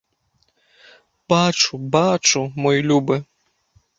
Бачу, бачу, мой любы.